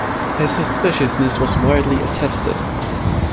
His suspiciousness was widely attested.